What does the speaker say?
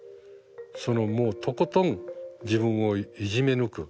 そのもうとことん自分をいじめ抜く。